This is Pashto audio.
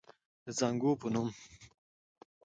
د زانګو پۀ نوم